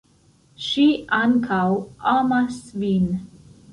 Ŝi ankaŭ amas vin.